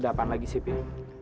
ada apaan lagi sih pink